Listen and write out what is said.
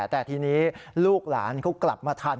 แต่ทีนี้ลูกหลานเขากลับมาทัน